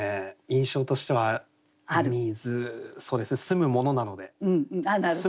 印象としては水そうですね澄むものなので。